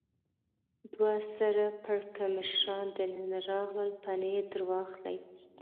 دوه سر پړکمشران دننه راغلل، پنیر در واخلئ.